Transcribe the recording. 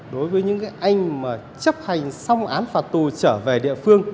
đối với những anh mà chấp hành xong án phạt tù trở về địa phương